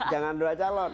jangan dua calon